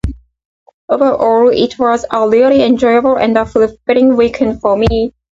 Overall, it was a really enjoyable and fulfilling weekend for me.